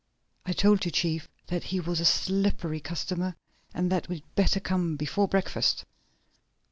"I told you, chief, that he was a slippery customer, and that we'd better come before breakfast!"